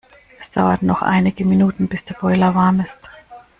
Es dauert noch einige Minuten bis der Boiler warm ist.